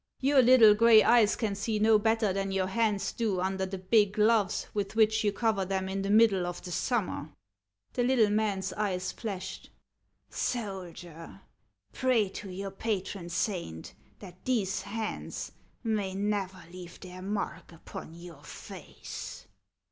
Your little gray eyes can see no better than your hands do under the big gloves with which you cover them in the middle of the summer." The little man's eyes flashed. " Soldier, pray to your patron saint that these hands may never leave their mark upon your face